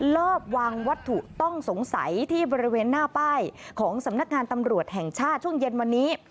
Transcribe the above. รอบวางวัตถุต้องสงสัยที่บริเวณหน้าป้ายของสำนักงานตำรวจแห่งชาติช่วงเย็นวันนี้